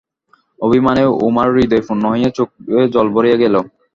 অভিমানে উমার হৃদয় পূর্ণ হইয়া চোখে জল ভরিয়া গেল।